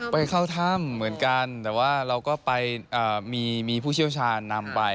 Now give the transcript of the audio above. ไปเข้าถ้ำเหมือนกันแต่ว่าเราก็ไปมีผู้เชี่ยวชาญนำไป